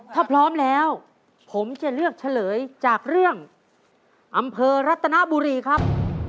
ถ้าพร้อมแล้วผมจะเลือกเฉลยจากเรื่องอำเภอรัตนบุรีครับ